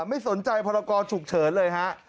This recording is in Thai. ไม่สนใจพรกรฉุกเฉินเลยฮะ